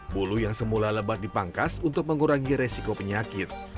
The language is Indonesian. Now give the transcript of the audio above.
bulu yang semula lebat dipangkas untuk mengurangi resiko penyakit